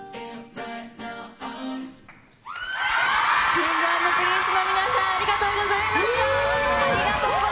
Ｋｉｎｇ＆Ｐｒｉｎｃｅの皆ありがとうございました。